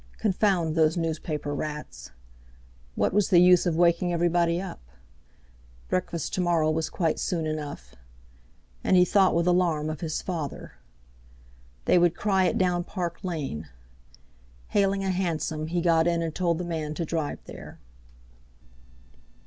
Confound those newspaper rats! What was the use of waking everybody up? Breakfast to morrow was quite soon enough. And he thought with alarm of his father. They would cry it down Park Lane. Hailing a hansom, he got in and told the man to drive there.